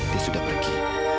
dia sudah pergi